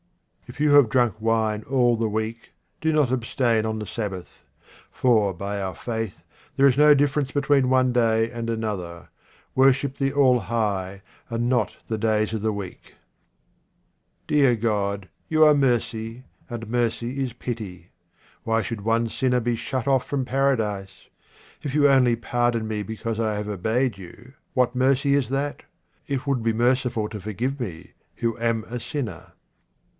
If you have drunk wine all the week, do not abstain on the Sabbath ; for, by our faith, there is no difference between one day and another. Worship the All high, and not the days of the week. Dear God, you are mercy, and mercy is pity. Why should one sinner be shut off from Paradise ? If you only pardon me because I have obeyed you, what mercy is that ? It would be merciful to forgive me, who am a sinner.